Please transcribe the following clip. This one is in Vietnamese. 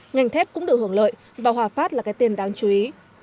ngành thép cũng được hưởng lợi và hòa phát là cái tên đáng chú ý